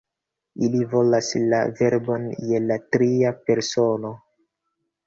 Ili volas la verbon je la tria persono.